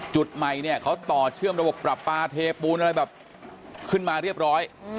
จุดใหม่เนี่ยเขาต่อเชื่อมระบบปรับปลาเทปูนอะไรแบบขึ้นมาเรียบร้อย